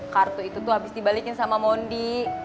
kartu itu tuh habis dibalikin sama mondi